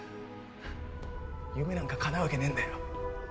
夢なんかかなうわけねえんだよ。